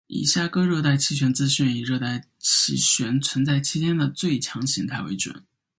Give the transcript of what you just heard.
以下各热带气旋资讯以热带气旋存在期间的最强形态为准。